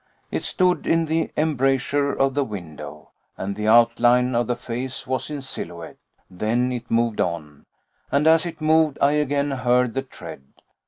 It stood in the embrasure of the window, and the outline of the face was in silhouette; then it moved on, and as it moved I again heard the tread.